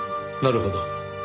なるほど。